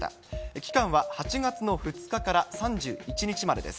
期間は８月の２日から３１日までです。